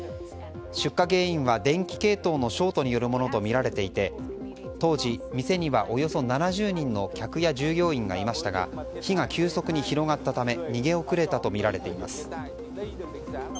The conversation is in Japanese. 出火原因は電気系統のショートによるものとみられていて当時、店にはおよそ７０人の客や従業員がいましたが火が急速に広がったため逃げ遅れたとみられています。